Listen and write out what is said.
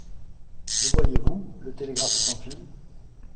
Le voyez-vous, le télégraphe sans fil ?